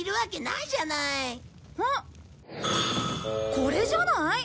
これじゃない？